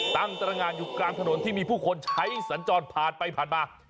ตั้งตรงานอยู่กลางถนนที่มีผู้คนใช้สัญจรผ่านไปผ่านมา